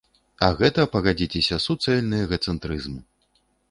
А гэта, пагадзіцеся, суцэльны эгацэнтрызм.